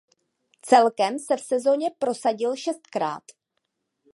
Celkem se v sezoně prosadil šestkrát.